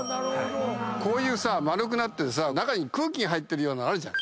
こういうさ丸くなってて中に空気が入ってるようなのあるじゃん。